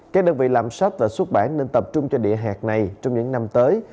các đơn vị làm sách và xuất bản nên tập trung cho địa hạt này trong những năm tới